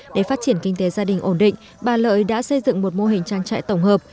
để phát triển kinh tế gia đình ổn định bà lợi đã xây dựng một mô hình trang trại tổng hợp